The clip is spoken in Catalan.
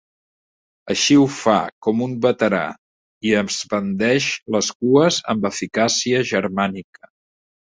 Així ho fa, com un veterà, i esbandeix les cues amb eficàcia germànica.